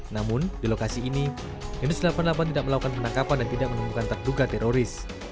namun di lokasi ini densus delapan puluh delapan tidak melakukan penangkapan dan tidak menemukan terduga teroris